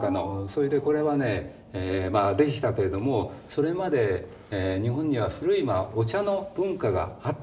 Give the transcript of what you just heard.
それでこれはねまあ出てきたけれどもそれまで日本には古いお茶の文化があったわけですよね。